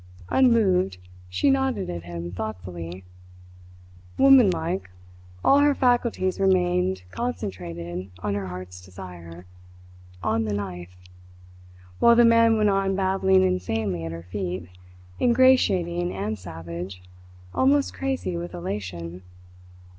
Unmoved, she nodded at him thoughtfully. Woman like, all her faculties remained concentrated on her heart's desire on the knife while the man went on babbling insanely at her feet, ingratiating and savage, almost crazy with elation.